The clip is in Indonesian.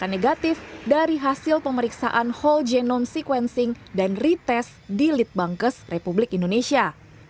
negatif dari hasil pemeriksaan whole genome sequencing dan retest di litbangkes republik indonesia